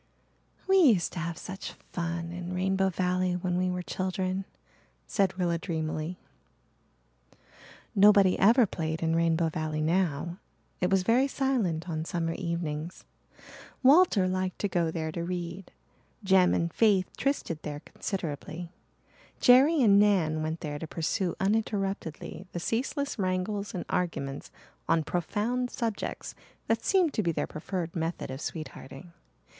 "We used to have such fun in Rainbow Valley when we were children," said Rilla dreamily. Nobody ever played in Rainbow Valley now. It was very silent on summer evenings. Walter liked to go there to read. Jem and Faith trysted there considerably; Jerry and Nan went there to pursue uninterruptedly the ceaseless wrangles and arguments on profound subjects that seemed to be their preferred method of sweethearting.